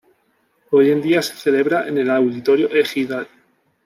Hoy en día se celebra en el Auditorio Ejidal.